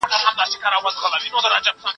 پاکوالي د زهشوم له خوا ساتل کيږي.